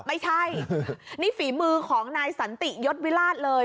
ไม่ใช่นี่ฝีมือของนายสันติยศวิราชเลย